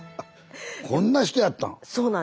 こんな人やったん？